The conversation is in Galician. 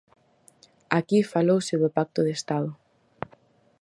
Aquí falouse do pacto de Estado.